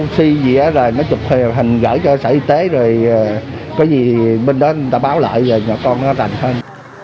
xuyên dĩa rồi nó chụp hình gửi cho sở y tế rồi có gì bên đó người ta báo lại rồi nhỏ con nó đành thôi